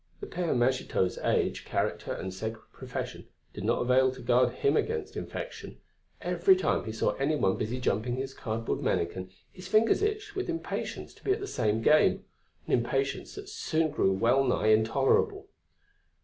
The Père Magitot's age, character, and sacred profession did not avail to guard him against infection. Every time he saw anyone busy jumping his cardboard mannikin, his fingers itched with impatience to be at the same game, an impatience that soon grew well nigh intolerable.